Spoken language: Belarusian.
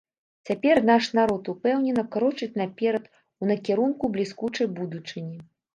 Цяпер наш народ упэўнена крочыць наперад у накірунку бліскучай будучыні.